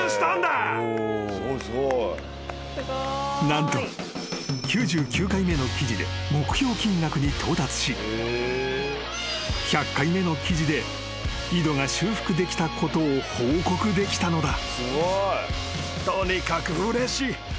［何と９９回目の記事で目標金額に到達し１００回目の記事で井戸が修復できたことを報告できたのだ］